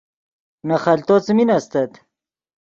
نے خلتو څیمین استت